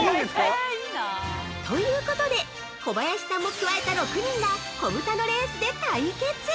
◆ということで小林さんも加えた６人がこぶたのレースで対決！